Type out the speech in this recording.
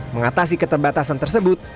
mengatasi keterbatasan tersebut